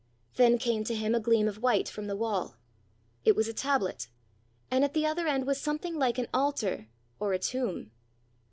Then came to him a gleam of white from the wall; it was a tablet; and at the other end was something like an altar, or a tomb.